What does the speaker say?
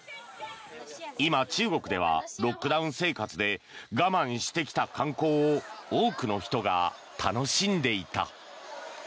今、中国ではロックダウン生活で我慢してきた観光を多くの人が楽しんでいた。